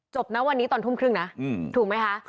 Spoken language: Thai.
นะวันนี้ตอนทุ่มครึ่งนะถูกไหมคะ